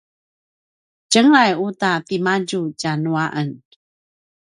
tjengelay uta timadju tjanu a en